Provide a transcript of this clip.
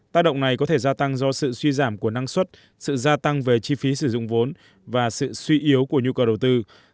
tác động này có thể gia tăng do sự suy giảm của năng suất sự gia tăng về chi phí sử dụng vốn và sự suy yếu của nhu cầu đầu tư